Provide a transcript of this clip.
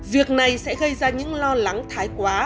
việc này sẽ gây ra những lo lắng thái quá